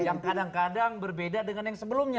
yang kadang kadang berbeda dengan yang sebelumnya